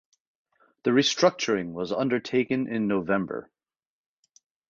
The restructuring was undertaken in November.